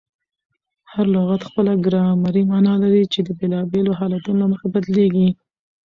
هر لغت خپله ګرامري مانا لري، چي د بېلابېلو حالتونو له مخه بدلېږي.